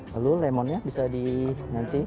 lalu lemonnya bisa dinanti